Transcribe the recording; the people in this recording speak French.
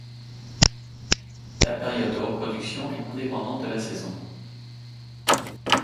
La période de reproduction est indépendante de la saison.